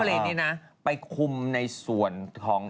ปิดไปคุมในส่วนคอยหน้า